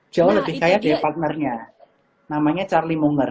jauh lebih kaya dari partnernya namanya charlie monger